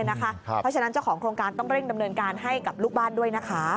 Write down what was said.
เพราะฉะนั้นเจ้าของโครงการต้องเร่งดำเนินการให้กับลูกบ้านด้วยนะคะ